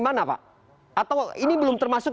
mana pak atau ini belum termasuk